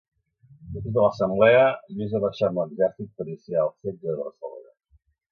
Després de l'assemblea Lluís va marxar amb l'exèrcit per iniciar el setge de Barcelona.